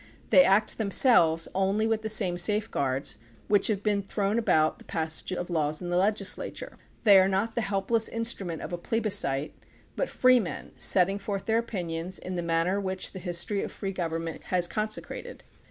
They act themselves only with the same safeguards which have been thrown about the passage of laws in the legislature. They are not the helpless instrument of a plebiscite, but freemen setting forth their opinions in the manner which the history of free government has consecrated.